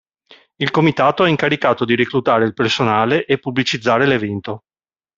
Il comitato è incaricato di reclutare il personale e pubblicizzare l'evento.